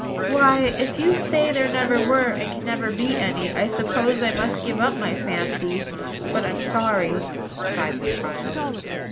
"Why, if you say there never were and never can be any, I suppose I must give up my fancy; but I'm sorry," sighed the child.